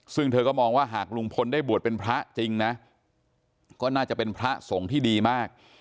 ซึ่งเธอก็มองว่าหากลุงพลได้บวชเป็นพระจริงนะก็น่าจะเป็นพระสงฆ์ที่ดีมาก